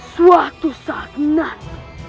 suatu saat nanti